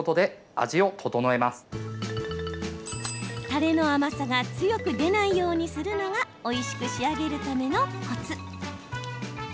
たれの甘さが強く出ないようにするのがおいしく仕上げるためのコツ。